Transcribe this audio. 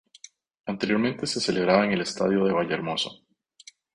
Anteriormente se celebraba en el Estadio de Vallehermoso.